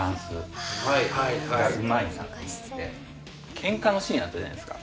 ケンカのシーンあったじゃないですか。